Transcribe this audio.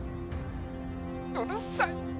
うるさい！